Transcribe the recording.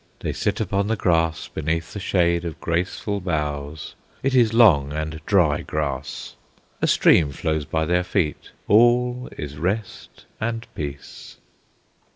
They sit upon the grass beneath the shade of graceful boughs; it is long and dry grass. A stream flows by their feet. All is rest and peace.